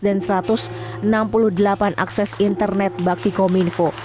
dan satu ratus enam puluh delapan akses internet baktikominfo